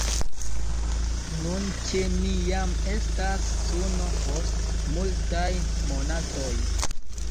Nun ĉe ni jam estas suno post multaj monatoj.